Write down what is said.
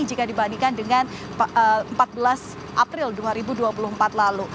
jika dibandingkan dengan empat belas april dua ribu dua puluh empat lalu